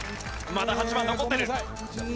まだ８番残ってる。